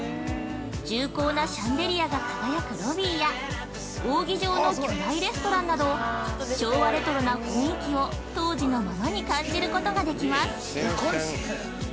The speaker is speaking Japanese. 重厚なシャンデリアが輝くロビーや扇状の巨大レストランなど昭和レトロな雰囲気を当時のままに感じることができます。